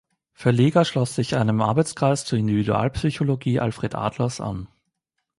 Verleger schloss sich einem Arbeitskreis zur Individualpsychologie Alfred Adlers an.